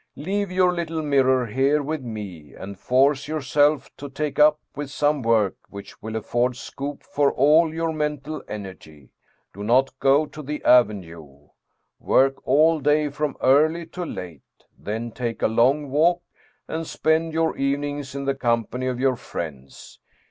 Leave your little mirror here with me, and force yourself to take up 145 German Mystery Stories with some work which will afford scope for all your mental energy. Do not go to the avenue ; work all day, from early to late, then take a long walk, and spend your evenings in the company of your friends.